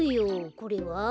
これは？